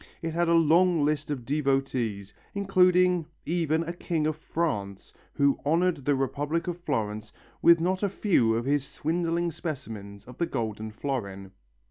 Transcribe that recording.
It had a long list of devotees, including even a king of France who honoured the Republic of Florence with not a few of his swindling specimens of the golden florin.